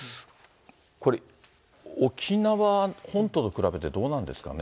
これ、沖縄本島と比べてどうなんですかね。